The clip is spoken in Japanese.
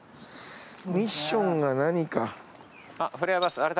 ミッションが何か。